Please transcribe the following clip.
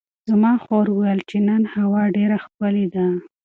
زما خور وویل چې نن هوا ډېره ښکلې ده.